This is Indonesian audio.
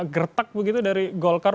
gertak dari golkar